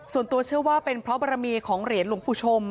ส่วนตัวเชื่อว่าเป็นเพราะบรมีของเหรียญหลวงปู่ชม